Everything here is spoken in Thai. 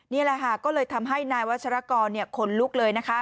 นี่แหละค่ะก็เลยทำให้นายวัชรกรขนลุกเลยนะคะ